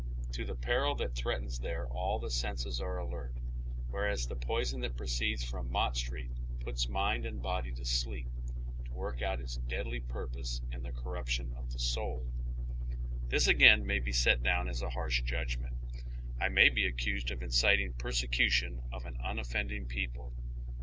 To the peri! that threatens there all the senses are alert, whereas the poison that proceeds from Hott Street puts mind and body to sleep, to work out its deadly purpose in the corruption of tlie soul. This again may he set down as a harsh judgment. I may be accused of inciting persecution of an unoffending people.